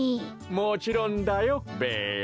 もちろんだよべや。